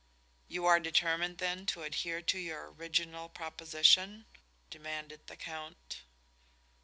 "You are determined, then, to adhere to your original proposition?" demanded the Count.